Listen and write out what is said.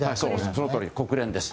そのとおり、国連です。